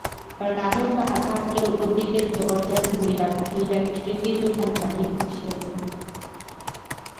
রানুর মা তাহাকে ধরিয়া ওদিকের দরজা খুলিয়া খিড়কিব উঠানে বাহির করিষা দিলেন।